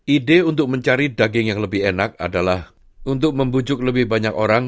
ide untuk mencari daging yang lebih enak adalah untuk membujuk lebih banyak orang